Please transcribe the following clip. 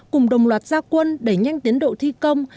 cùng đồng loạt gia quân đẩy nhanh tiến độ thi công